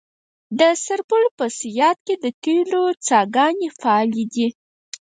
د سرپل په صیاد کې د تیلو څاګانې فعالې دي.